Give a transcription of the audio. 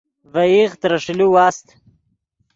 ڤے ایغ ترے ݰیلے واست